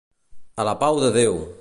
A la pau de Déu!